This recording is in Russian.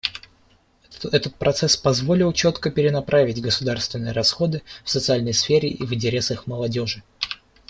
Этот процесс позволил четко перенаправить государственные расходы в социальной сфере в интересах молодежи.